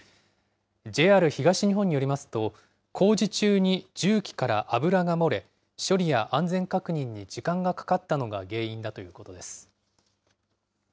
ＪＲ東日本によりますと、工事中に重機から油が漏れ、処理や安全確認に時間がかかったのが原因だということです。